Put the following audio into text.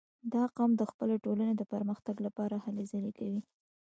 • دا قوم د خپلې ټولنې د پرمختګ لپاره هلې ځلې کوي.